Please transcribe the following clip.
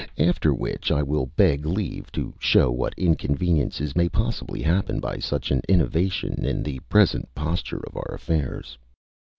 After which I will beg leave to show what inconveniences may possibly happen by such an innovation, in the present posture of our affairs.